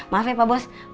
maaf ya pak bos